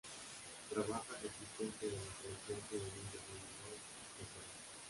Trabaja de asistente de la Selección juvenil de voleibol de Perú.